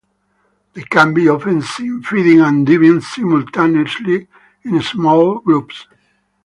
They can be often seen feeding and diving simultaneously in small groups.